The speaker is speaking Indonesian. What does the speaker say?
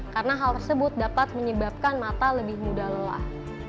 karena hal tersebut dapat menyebabkan mata lebih mudah lelah